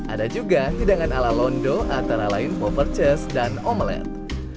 ada juga hidangan ala londo antara lain poverchase dan omelette